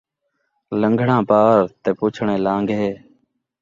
لن٘گھݨاں پار تے پچھݨے لان٘گھے